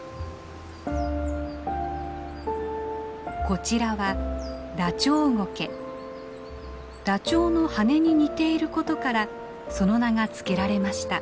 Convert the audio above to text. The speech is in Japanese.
こちらはダチョウの羽根に似ていることからその名が付けられました。